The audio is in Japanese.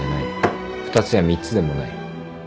２つや３つでもない。